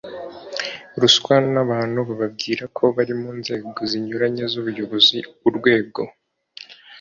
ruswa n abantu bababwira ko bari mu nzego zinyuranye z ubuyobozi urwego